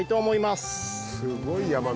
すごい山道。